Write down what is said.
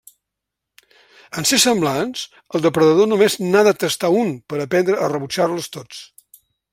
En ser semblants, el depredador només n'ha de tastar un per aprendre a rebutjar-los tots.